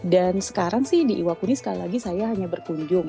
dan sekarang sih di iwakuni sekali lagi saya hanya berkunjung